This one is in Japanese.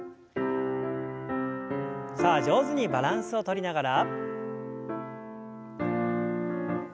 さあ上手にバランスをとりながら。